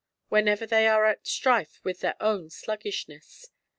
whenever they are at strife with their own sluggishness.